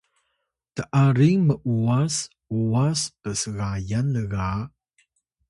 t’aring m’uwas uwas psgayan lga